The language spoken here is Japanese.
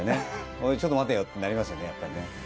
ちょっと待てよとなりますよね。